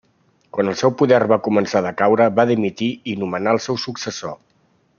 Quan el seu poder va començà a decaure va dimitir i nomenà el seu successor.